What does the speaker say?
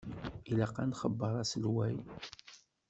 Ilaq ad nxebber aselway.